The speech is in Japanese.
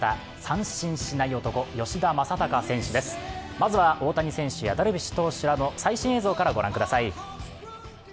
まずは、大谷選手やダルビッシュ選手らの最新映像からご覧ください。